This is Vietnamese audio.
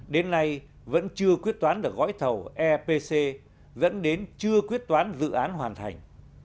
đến nay vẫn chưa quyết toán được gói thầu epc dẫn đến chưa quyết toán dự án hoàn thành